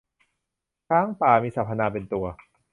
ช้างป่า มีสรรพนามเป็นตัว